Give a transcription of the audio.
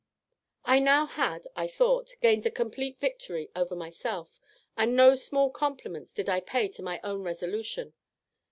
"I now had, I thought, gained a complete victory over myself; and no small compliments did I pay to my own resolution.